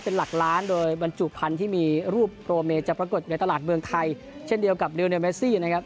เป็นหลักล้านโดยบรรจุพันธุ์ที่มีรูปโปรเมจะปรากฏในตลาดเมืองไทยเช่นเดียวกับนิวเนี่ยเมซี่นะครับ